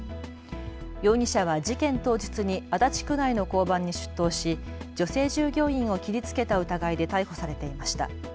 容疑者は事件当日に足立区内の交番に出頭し女性従業員を切りつけた疑いで逮捕されていました。